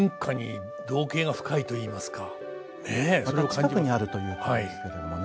近くにあるということですけどもね。